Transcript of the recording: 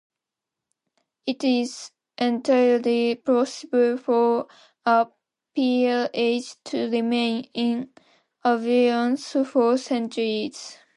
It is entirely possible for a peerage to remain in abeyance for centuries.